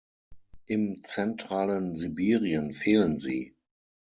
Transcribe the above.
Im zentralen Sibirien fehlen sie.